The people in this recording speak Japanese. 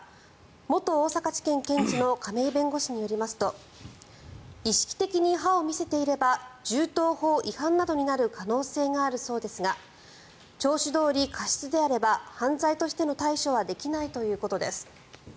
元大阪地検検事の亀井弁護士によりますと意識的に刃を見せていれば銃刀法違反などになる可能性があるそうですが聴取どおり過失であれば犯罪としての対処はできないということです。